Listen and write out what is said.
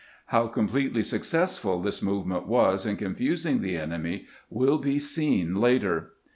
How completely suc cessful this movement was in confusing the enemy will be seen later.